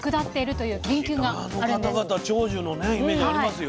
長寿のねイメージありますよ。